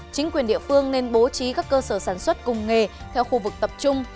chính quyền địa phương nên bố trí các cơ sở sản xuất cùng nghề theo khu vực tập trung